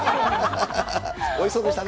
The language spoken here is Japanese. おいしそうでしたね。